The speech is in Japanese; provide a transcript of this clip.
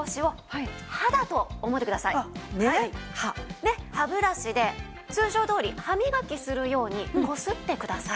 で歯ブラシで通常どおり歯磨きするようにこすってください。